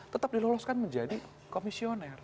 tetap diloloskan menjadi komisioner